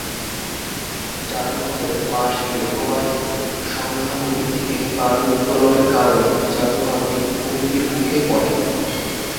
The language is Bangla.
জাদুঘরের পাশ দিয়ে প্রবাহিত সন্ধ্যা নদী থেকে বালু উত্তোলনের কারণে জাদুঘরটি হুমকির মুখে পড়ে।